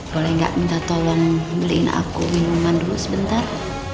boleh nggak minta tolong beliin aku minuman dulu sebentar